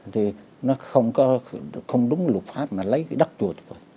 thì nó không có không đúng luật pháp mà lấy cái đất chùa